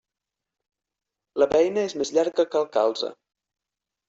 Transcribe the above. La beina és més llarga que el calze.